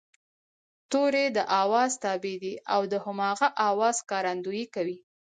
توری د آواز تابع دی او د هماغه آواز ښکارندويي کوي